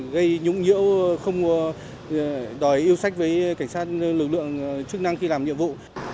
gây nhũng nhiễu không đòi yêu sách với cảnh sát lực lượng chức năng khi làm nhiệm vụ